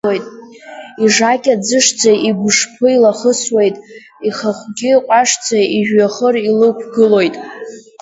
Ижакьа ӡышӡа игәшԥы илахысуеит, ихахәгьы ҟәашӡа ижәҩахыр илықәгылоит.